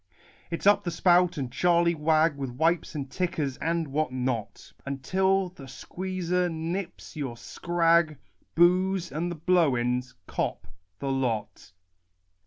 It's up the spout and Charley Wag With wipes and tickers and what not ! Until the squeezer nips your scrag. Booze and the blowens cop the lot.